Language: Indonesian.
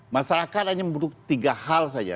masyarakat hanya membutuhkan tiga hal saja